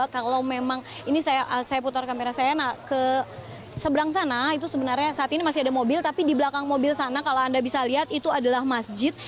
kalau memang ini saya putar kamera saya ke seberang sana itu sebenarnya saat ini masih ada mobil tapi di belakang mobil sana kalau anda bisa lihat itu adalah masjid